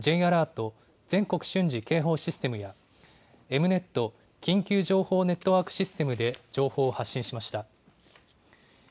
・全国瞬時警報システムやＥｍ−Ｎｅｔ・緊急情報ネットワークシステムで情報を発信しました。